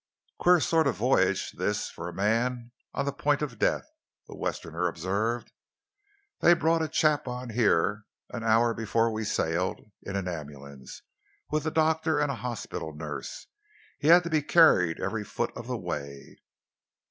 "Queer sort of voyage, this, for a man on the point of death," the Westerner observed. "They brought a chap on here, an hour before we sailed, in an ambulance, with a doctor and a hospital nurse. Had to be carried every foot of the way."